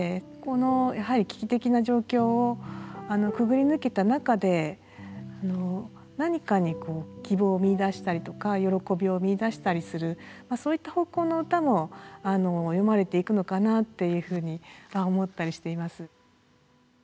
やはり危機的な状況をくぐり抜けた中で何かに希望を見いだしたりとか喜びを見いだしたりするそういった方向の歌も詠まれていくのかなっていうふうに思ったりしています。